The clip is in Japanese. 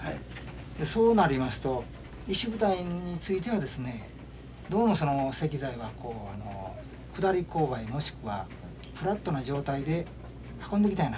そうなりますと石舞台についてはですねどうもその石材は下り勾配もしくはフラットな状態で運んで。